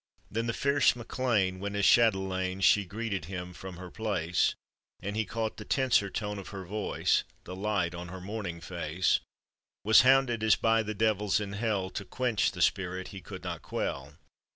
Then the fierce MacLean, when as chatelaine She greeted him from her place, And he caught the tenser tone of her voice, The light on her morning face, Was hounded as by the devils in hell To quench the spirit he could not quell.